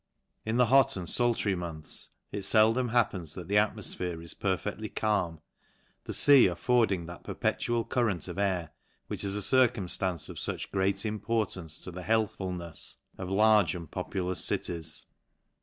In the hot and fultry months, it feldom happens that the at mofphere is perfectly calm, the fea affording that perpetual current of air, which is a circumftance of fuch great importance to the healthfulnefs of large and LANCASHIRE. 263 and populous cities.